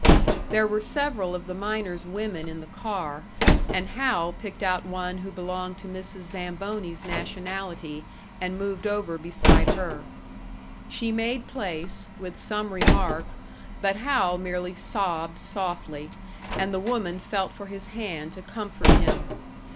There were several of the miners' women in the car, and Hal picked out one who belonged to Mrs. Zamboni's nationality, and moved over beside her. She made place, with some remark; but Hal merely sobbed softly, and the woman felt for his hand to comfort him.